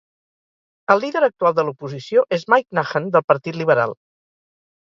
El líder actual de l'oposició és Mike Nahan, del Partit Liberal.